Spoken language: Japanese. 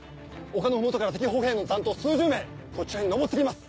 丘の麓から敵歩兵の残党数十名こちらに登ってきます！